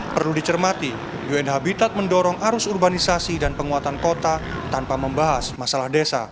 perlu dicermati un habitat mendorong arus urbanisasi dan penguatan kota tanpa membahas masalah desa